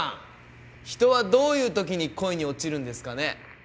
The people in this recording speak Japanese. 人はどういう時に恋に落ちるんですかね？